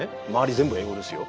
全部英語ですよ